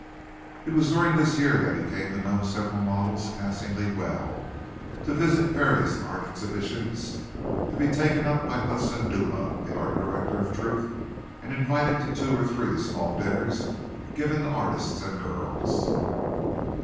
It was during this year that he came to know several models passingly well, to visit the various art exhibitions, to be taken up by Hudson Dula, the Art Director of Truth and invited to two or three small dinners given to artists and girls.